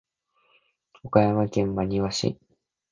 岡山県真庭市